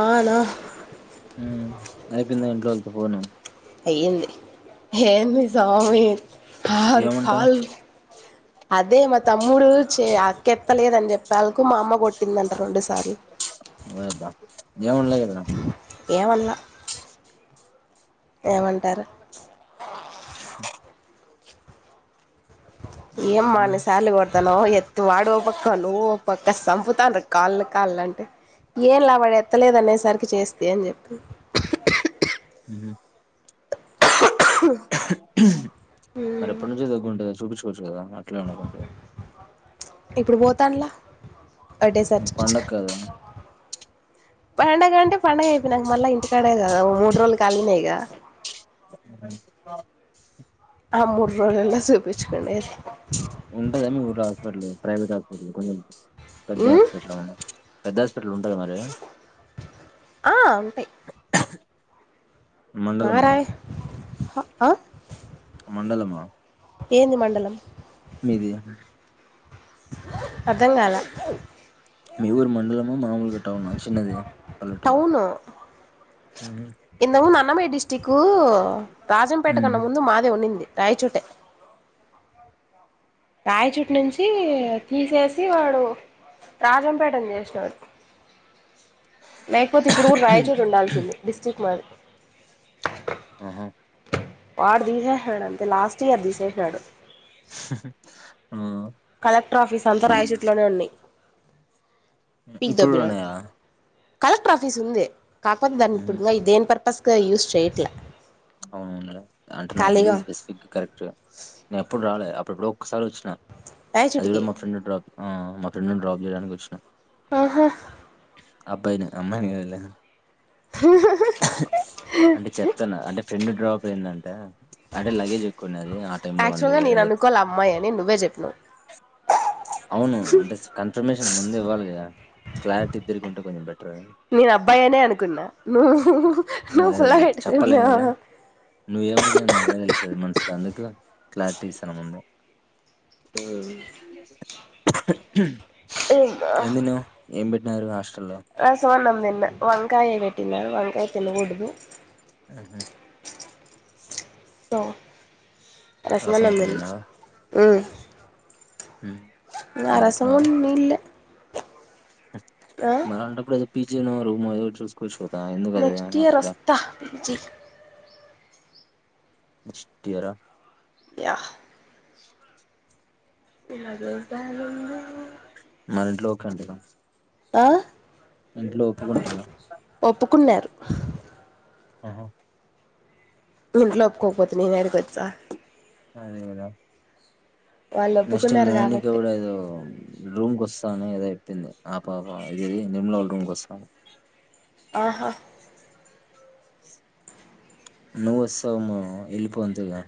ఆనా ఉమ్ అయిపోయిందా ఇంట్లో వాళ్ళతో పోను ఏంది ఏంది స్వామి హర్ ఏమంటా కాల్ అదే మా తమ్ముడు చే అక్కెత్తలేదని చెప్పేళ్కు మా అమ్మ కొట్టిందంటారు రెండు సార్లు ఏమున లేదు గదా ఏమన్నాలే ఏమంటారు ఏమ్మా అని శాల అతను ఎత్ వాడు ఒక పక్క నువ్వు ఒక పక్క సంపుతాను కాళ్ళు కాళ్ళ అంటే ఏం లా వాడు ఎత్తలేదు అనేసరికి చేస్తి ఎని చెప్ప హ్మ్మ్ మరి ఎప్పటి నుంచో తగ్గుంటుందా చూపించుకోవచ్చు కదా అట్లా ఉండకుంటే ఇప్పుడు పోతాండ్ల డేసర్చు పండగ కదా పండుగ అంటే పండుగ అయిపోయినంక మళ్ళ ఇంటికాడే కదా ఓ మూడు రోజులు కాలినేగా [unintelligible] ఆ మూడు రోజులల్ల చూపించుకొని ఉంటదా మీ ఊర్ల హాస్పిటల్ ప్రైవేట్ హాస్పిటల్ కొన్ని పెద్ద ఉమ్ హాస్పిటల్ ఆ పెద్ద హాస్పిటల్ ఉంటందా మరి ఆ ఉంటాయి మండలమా మారాయ్ ఆ మండలమా ఏంది మండలం మీది అర్థం కాల మీ ఊరు మండలమా మామూలుగా టౌనా చిన్నది పల్లెటూరా టౌను ఉమ్ ఇందము మనమే డిస్ ఇటికు రాజంపేట ఉమ్ కన్నా ముందు మాదే ఉండింది రాయిచూటే రాయిచుటు నుంచి తీసేసి వాడు రాజంపేట ని చేసినారు లేకపోతే ఇప్పుడు కూడా రాయచోటు ఉండాల్సింది డిస్టిక్ మాది ఆహా వాడు తీసేసినాడు అంతే లాస్ట్ ఇయర్ తీసేసినాడు ఆ కలెక్టర్ ఆఫీస్ అంతా రాయచుట్లోనే ఉన్నాయి పీక్ ఇప్పుడు కూడా దొబ్బినాడు ఉన్నాయా కలెక్టర్ ఆఫీస్ ఉంది కాకపోతే దాన్ని ఉహు ఇప్పుడు కానీ దాన్ని దేని పర్పస్గా యూస్ చేయట్లే అవునవులే అంటే నాకు ఖాళీగా తెలీయదు స్పెసిఫిక్గా కరెక్ట్ నేను ఎప్పుడు రాలదు అప్పుడు ఎప్పుడో ఒక్కసారి వచ్చిన అది కూడా రాయచోటికి మా ఫ్రెండ్డ్రాప్ మా ఫ్రెండును డ్రాప్ చేయడానికి వచ్చినా ఆహా అబ్బాయిని అమ్మయిని కాదులే అంటే చెప్తున్నా అంటే ఫ్రెండ్ డ్రాప్ అయింది అంటే అంటే లగేజ్ ఎక్కువ ఉన్నది ఆ టైమ్ లో యాక్చువల్ వాంది గా వేరే నేను అనుకోలే అమ్మాయి అని నువ్వే చెప్పినావు అవును అంటే కన్ఫర్మేషన్ ముందు ఇవ్వాలి కదా క్లారిటీ తిరిగి ఉంటే బెటర్ అని. నేను అబ్బాయినే అనుకున్నా నువ్ నువ్వు పుల్ల పెట్టుకున్నా నువ్వు ఏమనుకునేది నాకెలా తెలుస్తది మనసుల అందుకు క్లారిటీ ఇస్తాన ముందే ఉ ఏం తిన్నావ్ ఏం పెట్టినారు హస్ రసం అన్నం తిన్న వంకాయ పెట్టినారు వంకాయ తినకూడదు ఆహా త రసం ఒక్కటి తిన్నవా ఆ రసము నీళ్లే మరి అలాంటప్పుడు పిజినో రూమో ఏదో ఒకటి చూసుకోవచ్చు కదా ఎందుకు అది నెక్స్ట్ ఇయర్ అక్కడ వస్తా పీజీ ఫస్ట్ ఇయర యా ఎల్లగొడుతారు మన ఇంట్లో కంటేనా ఆ ఒప్పుకున్నారు ఆహా ఇంట్లో ఒప్పుకోకపోతే నేను అడిగొచ్చా అదేగదా వాళ్ళు నెస్ట్ ఒప్పుకున్నారు మౌనిక కాబట్టి కూడాఎదో రూమ్కి వస్తా ఏదో చెప్పింది ఆ పాప ఇది ఇది నిమ్లం కోసం ఆహా నువ్వు వత్సవము వెళ్ళిపోతుగా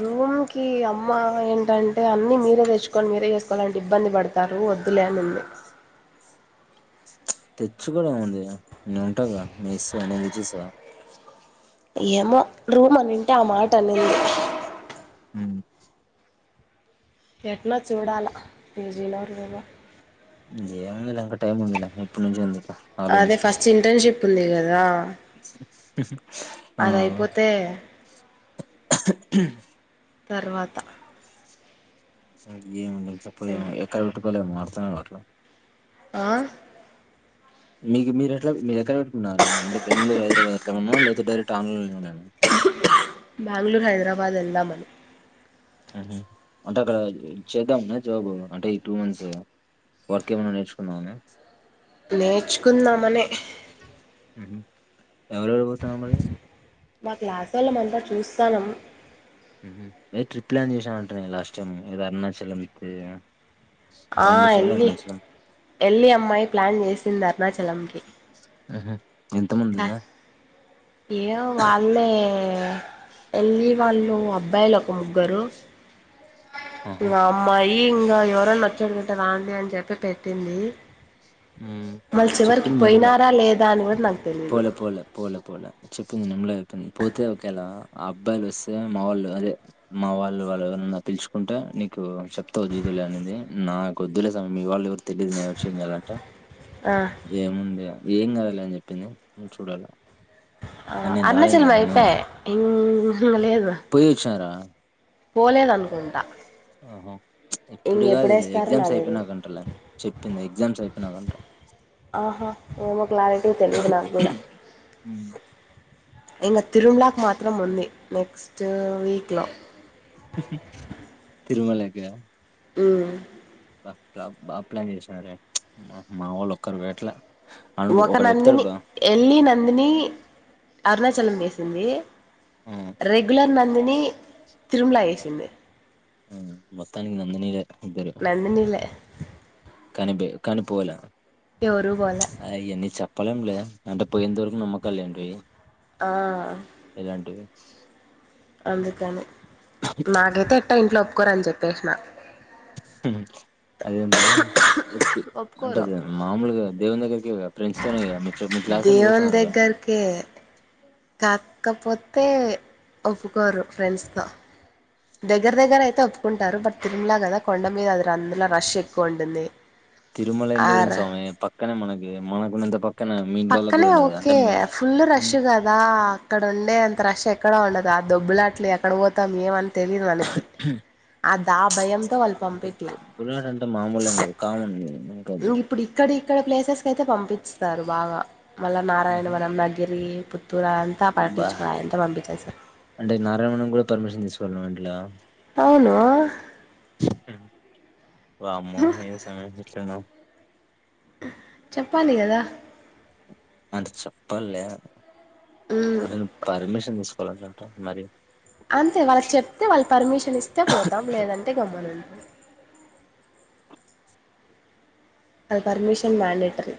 రూమ్ కి అమ్మ ఏంటంటే అన్నిీ మీరే తెచ్చుకొని మీరే చేస్త లాంటి ఇబ్బంది పడతారు వద్దులేనింది తెచ్చు కూడా ఉంది నేను ఉంటాగా మీ ఇస్తా నేను తెచ్చి ఇస్తాగా ఏమో రూమ్ అనింటే ఆ మాట అనింది ఉ ఎట్న చూడాలా పజీలోర్లో ఏమంది ఇంకా టైం ఉంది ఇప్పటి నుంచే ఉంది ఇక ఆలోచించడం కుంది కదా [unintelligible] ఆ! ఆ! అదయిపోతే తర్వాత స ఏమి లే చెప్ప ఎక్కడ పెట్టుకోలేమో అర్థమే గట్ల ఆ మీకు మీరు ఎట్లా మీరు ఎక్కడ పెట్టుకున్నారు అంటే బెంగళూరు హదరాబాద్ ఎట్డ ఉన్నార లేదా డైరెక్ట్ ఆన్లో పద వెళ్దాం మరి అంటే అక్కడ చేద్దాం జాబ్ అంటే ఈ టూ మంత్స్ లొ వర్క్ ఏమైన్నా నేర్చుకున్నాావుని నేర్చుకుందామనే ఎవరురు పోతా మరి మా క్లాసు వాళ్ల అంతా చూస్తానుం ఏ ట్రిప్ ప్లాన్ చేశాను అంట నేను లాస్ట్ టైమ్ ఇదో అరుణాచలం ఇప్పుడే ఆ ఎళ్ళి ఎళ్లి అమ్మాయి ప్లాన్ చేసింది అరుణాచలంకి ఆహ ఎంత ముందియ ఏయో వాళ్ళే ఎల్లి వాళ్ళు అబ్బాయిలు ఒక ముగ్గురు నా అమ్మాయి అయ ఇంకా ఎవరైనా నచ్చడు దుంటే రాాండి అని చెప్పి పెట్టింది మళ్ళ చివరికి చెప్పింది నిమ్ల పోయినారా లేదా అనిట్ పోలే పోలే పోలే పోలే చెప్పింది నింలే పోతే ఒకేలా ఆ అబ్బాయిలు వస్తే మా వాళ్ళు అదే మా వాళ్ళు వాళ్ళు ఎవరన్నా పిలుచుకుంట నీకు చెప్తా వజుదులే అనేది నాకుద్దులే సామీ మీ వాళ్ళు ఎవరు తెలియదు నేను విషయం చేయాలంటే ఆ ఏముంది ఏం కదాలి అని చెప్పింది నువ్వు చూడాల నేను అరుణాచలం రాలేండినున్న అయిపాయ్ ఇంగ లేదు పోయి వచ్చారా పోలేదనుకుంటా ఆహో ఎప్పుడ ఇంగ కాదు ఎప్పుడేస్తారో ఎగ్జామ్స్ నాకు తెలీదు అయిపోయినాకంటారులే చెప్పింది ఎగ్జామ్స్ అయిపోయినాక అంటారు ఆహా ఏమో క్లారిటీ తెలిదు నాకు కూడా ఇంకా తిరుమలాకు మాత్రం ఉంది నెక్స్ట్ వీక్ లో ఉ హు తిరుమలగా ఉ ప్లే బ ప్లాన్ జేసినారే మా వోలు ఒక్కరు వట్లా ఒక నందిని ఎల్లి నందిని అరుణాచలం వేసింది బా రెగ్యులర్ నందిని తిరుమల వేసింది మొత్తానికి నందినిలే నందినిలే కానిబి కనిపోలే ఎవరు బోలే పళ్లెం లే అంటే పోయిందరుకు నమ్మకలేండి. ఆ ఆ అందుకని నాకైతే ఎట్ట ఇంట్లో ఒప్పుకోరని జేప్పేచిన్నా అదేందే ఎత్తి అంటే ఒప్పుకోరు మాముూలుగా దేవుదగ్గర్ యేవే ప్రెండ్స్ తోనే గా మితృ మీ క్లాసోలు దేవుని పోతున్నారుగా దగ్గరకే కాకపోతే ఒప్పుకోరు ఫ్రెండ్స్ తో దగ్గర దగ్గర అయితే ఒప్పుకుంటారు. బట్ తిరుమలా కదా కొండ మీద అది రాందులా రష్ ఎక్కువ ఉంటుంది. తిరుమల ఎన్ దూరం ఆర్ స్వామి. పక్కనే మనకి మనకున్నంత పక్కన మీ ఇంట్లోళ్ళకి పక్కనే కూడా ఉండదు అంటే ఓకే మీ ఫుల్ రష్ ఉమ్, కదా అక్కడ ఉండే అంత రష్ ఎక్కడా ఉండదు ఆ దొబ్బులాట్లు ఎక్కడ పోతాం. ఏమని తెలిదు మనకి ఆదా భయం లో వాళ్ళు ఇంకా పంపియట్లే తొబ్బులాట అంటే మామూలేం కాదు కామన్ ఇంకా ఇక్కడ ప్లేసెస్ కైతే పంపిస్తస్తారు బాగా మళ్ళా ఉహు. నారాయణవరం నగిరి పుత్తూరు అంతా బా పట్టించుకో అంతా పంపించేస్తారు అంటే నారాయణనం కూడా పర్మిషన్ దిసుకోవల్ అండి. అవును హు వామో ఎమ్ సంగతి ఇట్లున్నావ్ చెప్పాలి గదా చెప్పాలే ఉమ్, అద్ నువ్ పర్మిషన్ తీసుకోవాలంట మరి అంతే వాళ్ళకి చెప్తే వాళ్ళ పర్మిషన్ ఇస్తే పోతాం లేదంటే గమనుడ్ అది పర్మిషన్ మాండేటరీ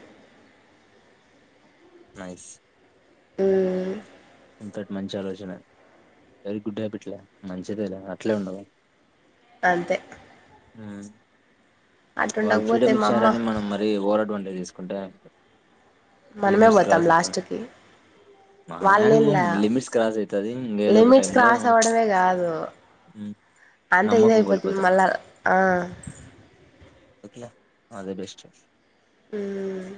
నైస్ హుహ్ ఇంతట్ మంచి ఆలోచన వెరీ గుడ్ హ్యాబిట్లే మంచిదేలే అట్లే ఉండాలా అంతే ఉహ్ వాళ్ళు అటుండకపోతే ఫ్రీడమ్ మా అమ్మ ఇచ్చారని మనం మరి ఓవర్ అడ్వాంటేజ్ దిస్ ఉంటై అనుకో మనమే బోతం లాస్ట్కి మనం యాడికి పోం లీలా లిమిట్స్ క్రాస్ అయితది ఏదో ఒక లిమిట్స్ టైమ్ లో క్రాస్స్ అవ్వడమే గాదు. అంత నమ్మకం ఇందైపోతోంది కోల్పోతాం మళ్ళా ఆ ఎట్లా ఆల్ దా బెస్ట్ హుహ్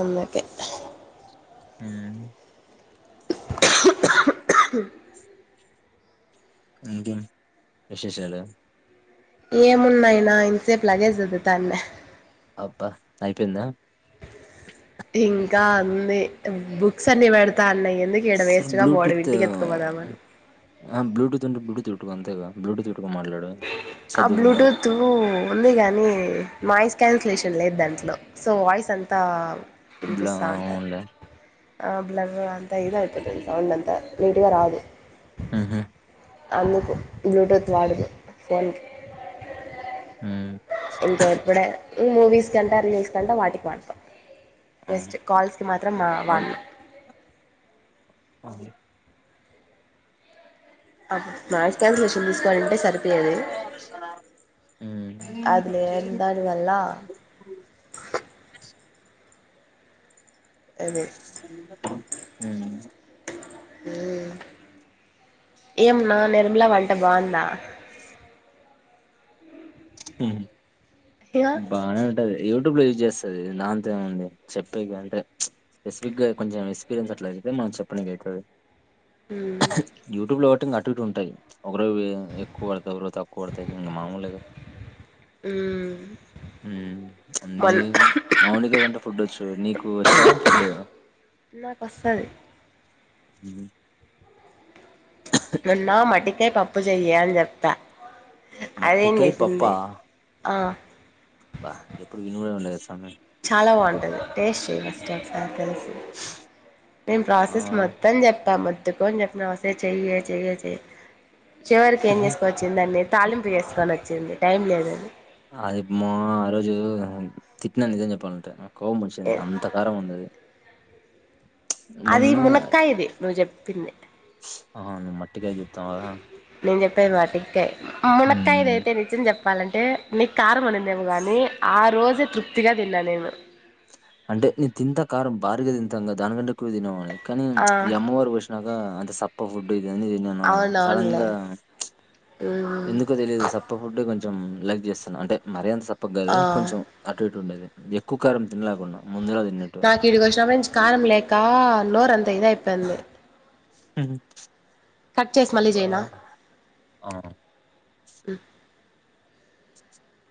అందుకే ఏయ్ ఇంకేం విశేషాలో ఏమున్నాయినా ఇంతసేపు లాగే సదుతాన్న అబ్బా అయిపోందా కా ఉంది బుక్స్ అన్ని పెడతా అన్నాయ్ సార్ బ్లూటూతూ ఆ బ్లూటూత్ ఉంటే బ్లూటూత్ పెట్టు అంతే గా బ్లూటూత్ పెట్టుకొని మాట్లాడు ఆ సర్దుకుంటా బ్లూటూత్ ఉంది గాని మాయిస్ క్యాన్సిలేషన్ లేదు దాంట్లో సో వాయిస్ అంతా బ్లా వినిపిస్తా ఉంటది ఉండా ఆ బ్లర్ అంతా ఇది అయిపోతాది సౌండ్ అంతా నీట్గా రాదు. ఉహుహ్ అందుకు బ్లూటూత్ వాడదు ఫెన్క్ ఉమ్, ఇంకా ఎప్పుడే మూవీస్ కంటే రీల్స్ కంటా వాటికి వాడతాం. ఆ, జెస్ట్ కాల్స్ కి మాత్రం మా వడను. ఆహా అప్ నాయిస్ క్యాన్సిలేషన్ తీసుకోవాలంటే సరిపోయేది అదిలే దాని వల్ల అది హుమ్ హు ఏంనా నిర్మల వంట బాగుందా హు ఇగ బానే ఉంటది యూట్యూబ్ లో చూసి చేస్తది నంతె ఉంది చెప్పే కంటే స్పెసిఫక్ గా కొంచెం ఎక్స్పీరియన్స్ అట్లా మనక్ చెప్పనికి అయితది మ్మ్ యుట్యూబ్ లో టింది అటు ఇటు ఉంటాయ్ ఒకరోజు ఎక్కువ పడుతాయ్ ఒకరోజు తక్కువ పడుతాయ్ ఇంకా మామూలే హుమ్ హుమ్ నీకు మౌనిక కంటే ఫుడ్ వచ్చు నీకు వచ్చా ఫుడ్ నాకోస్తది హుమ్ నిన్న మడ్డికాయ్ పప్పు చెయ్యి అని చెప్తా అదేం మట్టికాయ్ పప్ప చేసింది ఆ అబ్బా ఎప్పుడు విని కూడా వినలేదు అసల్ చాలా బాగుంటది టేస్ట్ చెయ్ ఒకసారి తెలుస్ నేను ఆ ప్రాసెస్ మొత్తం చెప్పా మొ త్తుకొని చెప్పిన ఒసే చెయ్యే చెయ్యే చెయ్ చివరికి ఏం చేసుకోని వచ్చిందన్ని తాలింపు చేసుకొని వచ్చింది టైం లేదని అది మా ఆ రోజు తిట్టిననిజం చెప్పాలంటే కోపం వచ్చింది అంత కారం ఉందది అది మునక్కయది నువ్వు చెప్పింది ఆహ నువ్వు మట్టికాయ్ చెప్పినవ్ కదా అహ మాట్టికాయ్ మునక్కాదైతే నిజం చెప్పాలంటే ని కారం ఉండిందోమో గాని ఆ రోజే తృప్తిగా తిన్నా నేను అంటే నేను తింతా కారం భారీగా తింతాగా దానికంటే ఎక్కువ తినేవాన్ని కానీ ఆ ఈ అమ్మవారు పోస్ చనాక అంత సప్ప ఫుడ్ ఇది అన్ని తిన్నాన సడన్ అవునవునులే గా మ్మ్ ఎందుకో తెలియదు సప్ప ఫుడ్ కొంచెం లైక్ చేస్తున్న అంటే మరి అంత సప్పగ్గదు ఆ కొంచెం అటు టుండేది ఎక్కువ కారం తినలేకుండామ్ నాకు ఇడికి వచ్చినప్పటి నుంచీ కారం లేక నోరు అంత ఇదైపోయింది హు హు మళ్ళీ అబ్బా చేయనా అవును